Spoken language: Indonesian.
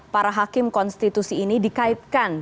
para hakim konstitusi ini dikaitkan